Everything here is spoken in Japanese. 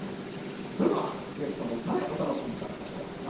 それでは、ゲストの歌でお楽しみいただきましょう。